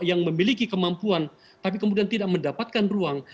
yang memiliki kemampuan tapi kemudian tidak mendapatkan ruang